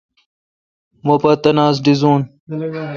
مہ پا تناس ڈیزون